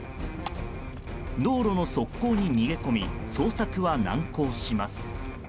道路の側溝に逃げ込み捜索は難航します。